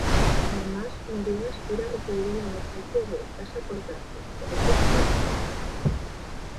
Además Noriega aspira a recibir el beneficio de "casa por cárcel", según sus abogados.